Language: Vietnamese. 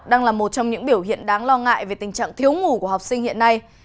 đang là một trong những biểu hiện đáng lo ngại về tình trạng thiếu ngủ của học sinh hiện nay